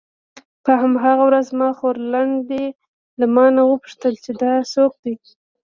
په هماغه ورځ زما خورلنډې له مانه وپوښتل چې دا څوک دی.